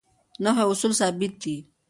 نحوي اصول ثابت دي.